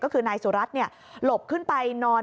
ก็คือนายสุรัตน์หลบขึ้นไปนอน